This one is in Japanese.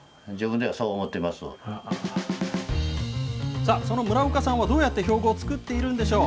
さあ、その村岡さんはどうやって標語を作っているんでしょう。